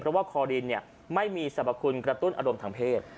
เพราะว่าคอดินไม่มีสรรพคุณกระตุ้นอารมณ์ทางเพศ